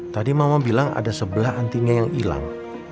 tadi mama bilang ada sebelah antinya yang hilang